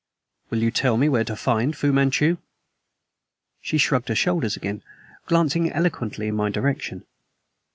"Will you tell me where to find Fu Manchu?" She shrugged her shoulders again, glancing eloquently in my direction.